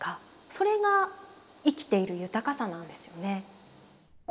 それが生きている豊かさなんですよね。